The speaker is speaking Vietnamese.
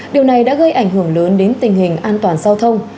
điều này đã gây ảnh hưởng lớn đến tình hình an toàn giao thông